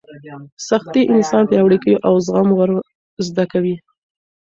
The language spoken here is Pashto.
سختۍ انسان پیاوړی کوي او زغم ور زده کوي.